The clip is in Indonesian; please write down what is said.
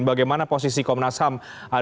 bagaimana posisi komnas ham